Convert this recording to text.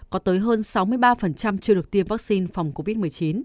có tới hơn sáu mươi ba chưa được tiêm vaccine phòng covid một mươi chín